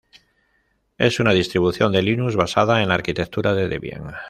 Es una distribución de Linux basada en la arquitectura de Debian.